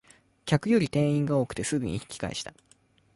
客より店員が多くてすぐに引き返した